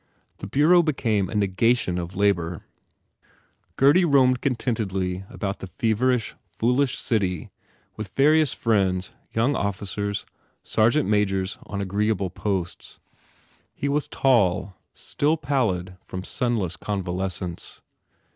The bureau became a negation of labour. Gurdy roamed contentedly about the feverish, foolish city with various friends young officers, sergeant majors on agreeable posts. He was tall, still pallid from sunless convalescence.